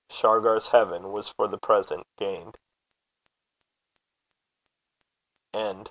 Shargar's heaven was for the present gained.